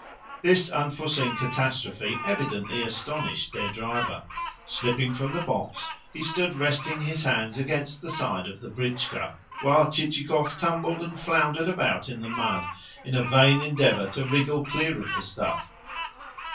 This unforeseen catastrophe evidently astonished their driver. Slipping from the box, he stood resting his hands against the side of the britchka, while Chichikov tumbled and floundered about in the mud, in a vain endeavour to wriggle clear of the stuff.